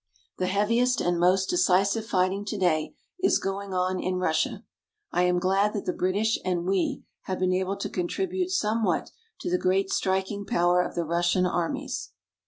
The heaviest and most decisive fighting today is going on in Russia. I am glad that the British and we have been able to contribute somewhat to the great striking power of the Russian armies.